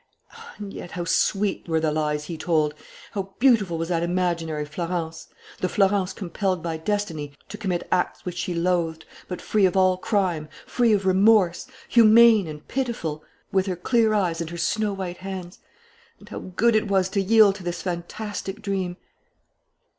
And yet how sweet were the lies he told! How beautiful was that imaginary Florence, the Florence compelled by destiny to commit acts which she loathed, but free of all crime, free of remorse, humane and pitiful, with her clear eyes and her snow white hands! And how good it was to yield to this fantastic dream!